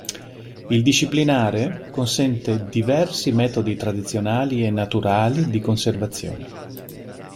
Il disciplinare consente diversi metodi tradizionali e naturali di conservazione.